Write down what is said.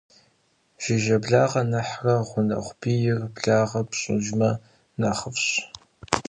Жыжьэ благъэ нэхърэ гъунэгъу бийр благъэ пщIыжмэ, нэхъыфIщ.